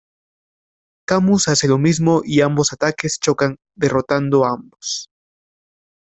Camus hace lo mismo y ambos ataques chocan derrotando a ambos.